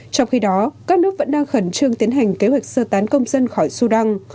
trong khi đó các nước vẫn đang khẩn trương tiến hành kế hoạch sơ tán công dân khỏi sudan